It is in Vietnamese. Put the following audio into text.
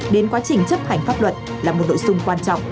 đến quá trình chấp hành pháp luật là một nội dung quan trọng